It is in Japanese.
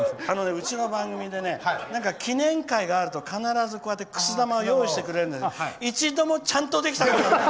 うちの番組で記念回があると必ずこうやって、くす玉を用意してくれるんだけど一度もちゃんとできたことがない！